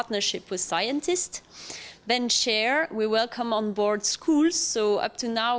sejauh sekarang kami memiliki empat anak anak di luar sana